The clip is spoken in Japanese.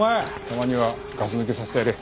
たまにはガス抜きさせてやれ。